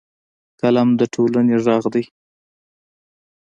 قلم د ټولنې غږ دی